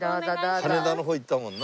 羽田の方行ったもんな。